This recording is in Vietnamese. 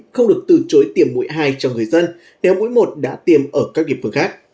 không được từ chối tiềm mũi hai cho người dân nếu mũi một đã tiêm ở các địa phương khác